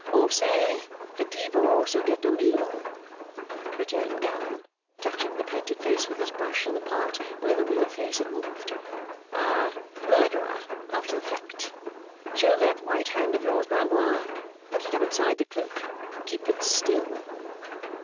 'Or say, Cattivo Soggetto Mio,' returned Gowan, touching the painted face with his brush in the part where the real face had moved, 'a murderer after the fact. Show that white hand of yours, Blandois. Put it outside the cloak. Keep it still.